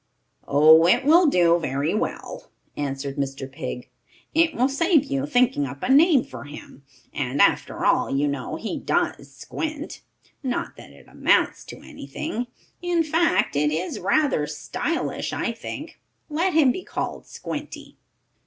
"Oh, it will do very well," answered Mr. Pig. "It will save you thinking up a name for him. And, after all, you know, he does squint. Not that it amounts to anything, in fact it is rather stylish, I think. Let him be called Squinty."